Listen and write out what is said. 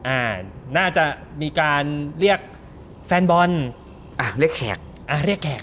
อ่าน่าจะมีการเรียกแฟนบอลอ่ะเรียกแขกอ่าเรียกแขก